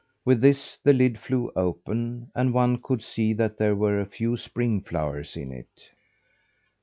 With this, the lid flew open, and one could see that there were a few spring flowers in it.